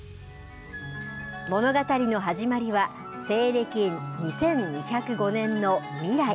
物語の始まりは西暦２２０５年の未来。